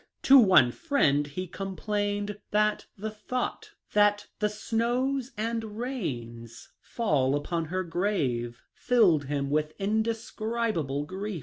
To one friend he com plained that the thought " that the snows and rains fall upon her grave filled him with indescribable grief."